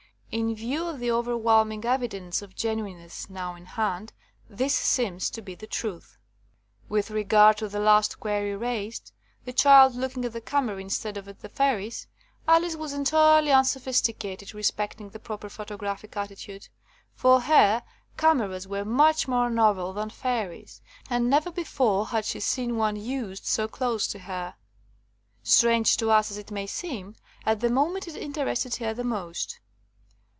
In view of the overwhelming evi dence of genuineness now in hand this seems to be the truth. With regard to the last query raised — the child looking at the camera instead of at the fairies — Alice was entirely unsophisti cated respecting the proper photographic attitude. For her, cameras were much more novel than fairies, and never before had she seen one used so close to her. Strange to us as it may seem, at the moment it interested her the most.